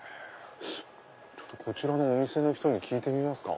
ちょっとこちらのお店の人に聞いてみますか。